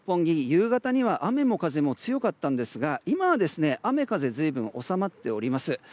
夕方には雨も風も強かったんですが今は雨風随分収まっております。